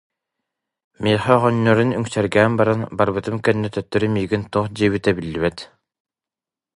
Миэхэ оҕонньорун үҥсэргээн баран, барбытым кэннэ төттөрү миигин туох диэбитэ биллибэт